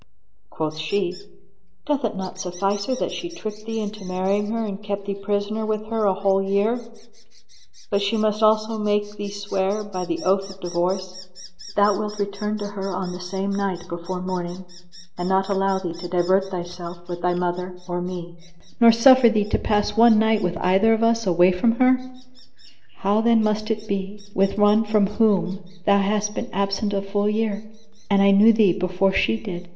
Quoth she, "Doth it not suffice her that she tricked thee into marrying her and kept thee prisoner with her a whole year, but she must also make thee swear by the oath of divorce, that thou wilt return to her on the same night before morning, and not allow thee to divert thyself with thy mother or me, nor suffer thee to pass one night with either of us, away from her? How then must it be with one from whom thou hast been absent a full year, and I knew thee before she did?